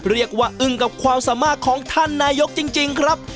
อึ้งกับความสามารถของท่านนายกจริงครับ